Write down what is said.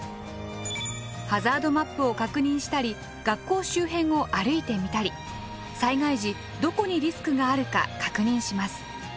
ハザードマップを確認したり学校周辺を歩いてみたり災害時どこにリスクがあるか確認します。